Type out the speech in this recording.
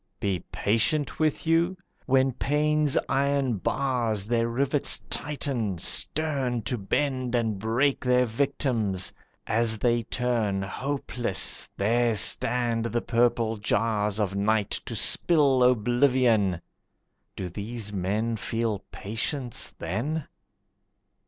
Be patient with you? When pain's iron bars Their rivets tighten, stern To bend and break their victims; as they turn, Hopeless, there stand the purple jars Of night to spill oblivion. Do these men Feel patience then?